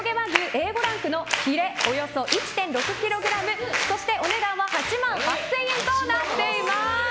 Ａ５ランクのヒレおよそ１．６ｋｇお値段は８万８０００円です。